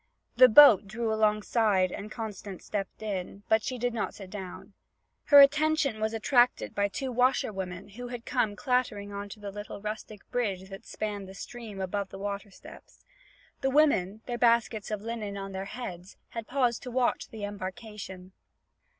The boat drew alongside and Constance stepped in, but she did not sit down. Her attention was attracted by two washer women who had come clattering on to the little rustic bridge that spanned the stream above the water steps. The women, their baskets of linen on their heads, had paused to watch the embarkation.